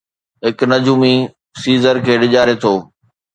هڪ نجومي سيزر کي ڊيڄاري ٿو.